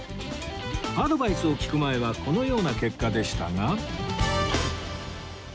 アドバイスを聞く前はこのような結果でしたが